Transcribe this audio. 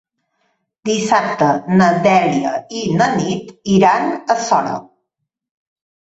Dissabte na Dèlia i na Nit iran a Sora.